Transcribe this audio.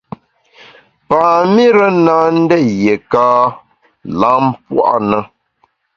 Pam-ire na ndét yiéka lam pua’ na.